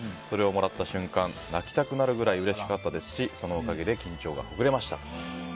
それをもらった瞬間泣きたくなるぐらいうれしかったですしそのおかげで緊張がほぐれましたと。